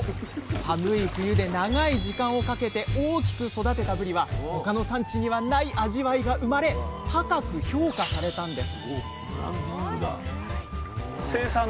寒い冬で長い時間をかけて大きく育てたぶりは他の産地にはない味わいが生まれ高く評価されたんです